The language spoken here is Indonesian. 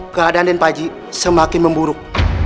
keadaan denpaji semakin memburuk